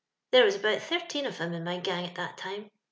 " There was about thirteen of 'em in my gang at that time.